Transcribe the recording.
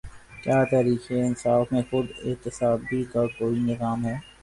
کیا تحریک انصاف میں خود احتسابی کا کوئی نظام ہے؟